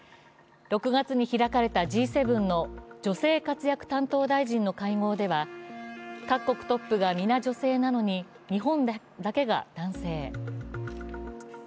６月に開かれたＧ７の女性活躍担当大臣の会合では各国トップがみな女性なのに、日本だけが男性。